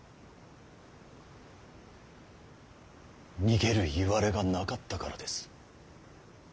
逃げるいわれがなかったからです。